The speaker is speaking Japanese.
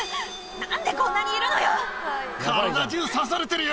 何でこんなにいるのよ！